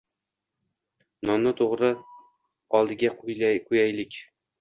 Nonni to'g'ra, oldiga ko'yaylik.